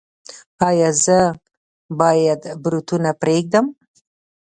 ایا زه باید بروتونه پریږدم؟